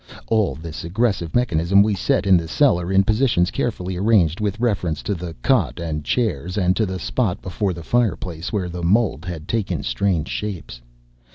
All this aggressive mechanism we set in the cellar in positions carefully arranged with reference to the cot and chairs, and to the spot before the fireplace where the mold had taken strange shapes.